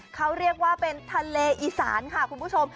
เขาเรียกว่าเป็นทะเลอีสานค่ะคุณผู้ชม